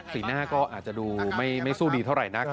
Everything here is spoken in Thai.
สีหน้าก็ดูไม่สู้ดีเท่าไหร่